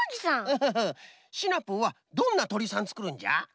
ウフフッシナプーはどんなとりさんつくるんじゃ？